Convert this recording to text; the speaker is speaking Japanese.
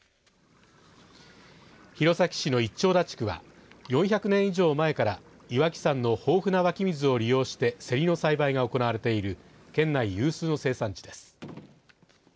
弘前市の一町田地区は４００年以上前から岩木山の豊富な湧き水を利用して、せりの栽培が行われている県内有数の生産地です。